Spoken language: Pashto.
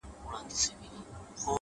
واه واه- خُم د شرابو ته راپرېوتم- بیا-